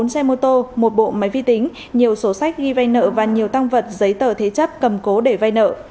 bốn xe mô tô một bộ máy vi tính nhiều sổ sách ghi vay nợ và nhiều tăng vật giấy tờ thế chấp cầm cố để vay nợ